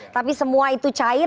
tapi semua itu cair